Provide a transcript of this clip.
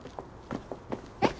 えっ？